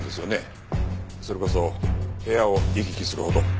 それこそ部屋を行き来するほど。